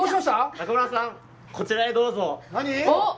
中丸さん、こちらへどうぞ。